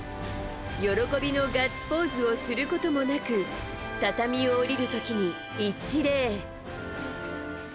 喜びのガッツポーズをすることもなく畳を下りる時に一礼。